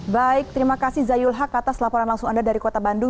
baik terima kasih zayul haq atas laporan langsung anda dari kota bandung